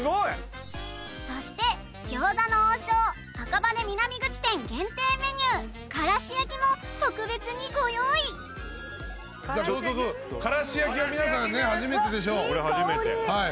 そして餃子の王将赤羽駅南口店限定メニューからし焼きも特別にご用意どうぞからし焼きは皆さんね初めてでしょういい